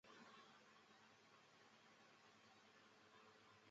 对更加普遍和一致的系统的偏好只会随着科学的发展而逐渐扩散。